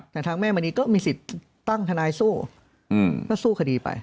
แต่ทางแม่มณีก็มีสิทธิ์ตั้งทนายสู้ก็สู้คดีไป